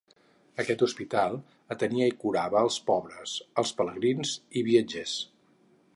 Aquest hospital atenia i curava els pobres, els pelegrins i viatgers.